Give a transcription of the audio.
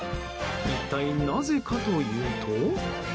一体なぜかというと。